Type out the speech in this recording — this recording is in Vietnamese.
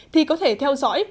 thì có thể theo dõi